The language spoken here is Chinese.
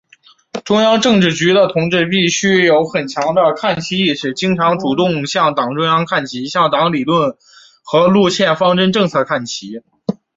中央政治局的同志必须有很强的看齐意识，经常、主动向党中央看齐，向党的理论和路线方针政策看齐。